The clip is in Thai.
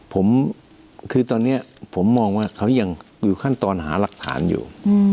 ผมคือตอนนี้ผมมองว่าเขายังอยู่ขั้นตอนหาหลักฐานอยู่